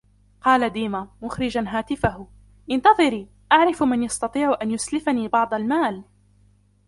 قال ديما ، مخرجًا هاتفه: " انتظري ، أعرف من يستطيع أن يسلفني بعض المال ".